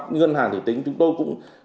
ngân hàng thì tính chúng tôi cũng